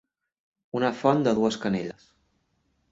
Una font de dues canelles.